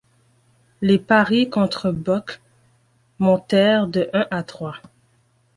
Les paris contre Buck montèrent de un à trois.